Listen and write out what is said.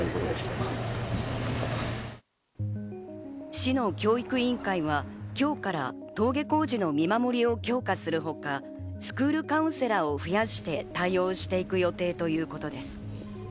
市の教育委員会は今日から登下校時の見守りを強化するほか、スクールカウンセラーを増やして対応していく予定ということです。